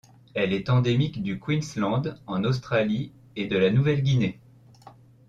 Elle est endémique du Queensland, en Australie, et de la Nouvelle-Guinée.